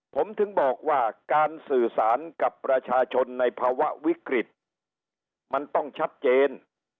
ผมถึงบอกว่าการสื่อสารกับประชาชนในภาวะวิกฤตมันต้องชัดเจน